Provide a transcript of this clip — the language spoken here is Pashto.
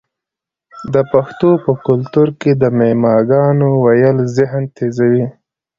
د پښتنو په کلتور کې د معما ګانو ویل ذهن تیزوي.